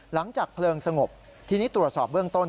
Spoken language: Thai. หลังจากเพลิงสงบทีนี้ตรวจสอบเบื้องต้น